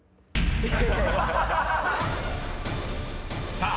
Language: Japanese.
［さあ